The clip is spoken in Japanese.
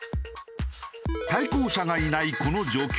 対向車がいないこの状況。